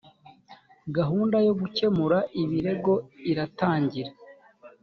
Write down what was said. gahunda yo gukemura ibirego iratangira